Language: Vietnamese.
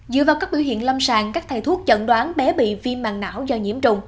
dựa vào các biểu hiện lâm sàng các thầy thuốc chẩn đoán bé bị viêm mảng não do nhiễm trùng